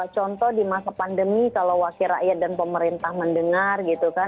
contoh di masa pandemi kalau wakil rakyat dan pemerintah mendengar gitu kan